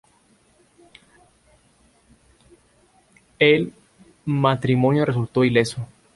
El matrimonio resultó ileso.